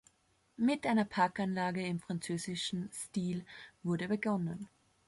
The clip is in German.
Mit einer Parkanlage im französischen Stil wurde begonnen.